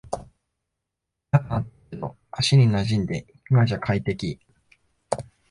違和感あったけど足になじんで今じゃ快適